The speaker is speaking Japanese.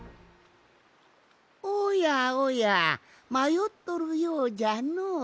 おやおやまよっとるようじゃのう。